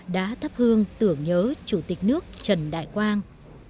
đã thắp hương tưởng nhớ chủ tịch nước trần đại quang